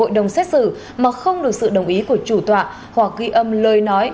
hội đồng xét xử mà không được sự đồng ý của chủ tọa hoặc ghi âm lời nói